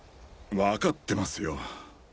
わかってますよ。